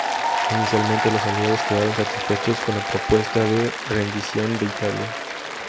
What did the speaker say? Inicialmente, los Aliados quedaron satisfechos con la propuesta de rendición de Italia.